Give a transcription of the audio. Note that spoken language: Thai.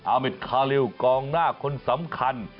เมดคาริวกองหน้าคนสำคัญ